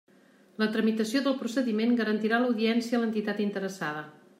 La tramitació del procediment garantirà l'audiència a l'entitat interessada.